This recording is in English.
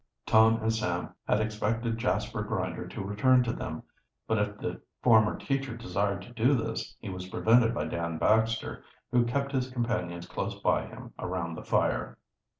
Tom and Sam had expected Jasper Grinder to return to them, but if the former teacher desired to do this, he was prevented by Dan Baxter, who kept his companions close by him, around the fire.